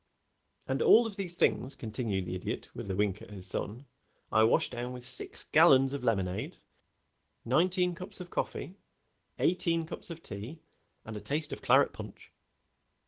"And all of these things," continued the Idiot, with a wink at his son, "I washed down with six gallons of lemonade, nineteen cups of coffee, eighteen cups of tea, and a taste of claret punch."